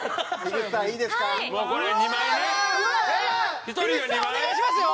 口さんお願いしますよ！